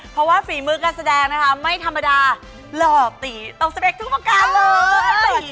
เพราะว่าฝีมือการแสดงนะคะไม่ธรรมดาหล่อตีตกสำเร็จทุกประการเลย